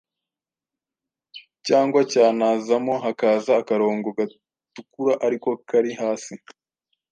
cyangwa cyanazamo hakaza akarongo gatukura ariko kari hasi